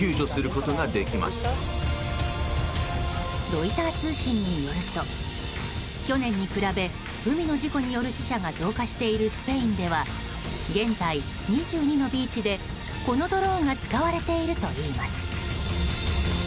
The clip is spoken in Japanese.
ロイター通信によると去年に比べ海の事故による死者が増加しているスペインでは現在、２２のビーチでこのドローンが使われているといいます。